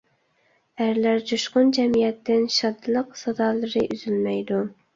ئەرلەر جۇشقۇن جەمئىيەتتىن شادلىق سادالىرى ئۈزۈلمەيدۇ.